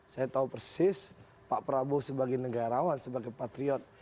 saya tahu persis pak prabowo sebagai negarawan sebagai patriot